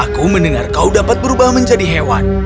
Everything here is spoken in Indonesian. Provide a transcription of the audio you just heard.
aku mendengar kau dapat berubah menjadi hewan